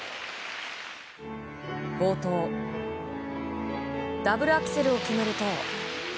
冒頭、ダブルアクセルを決めると。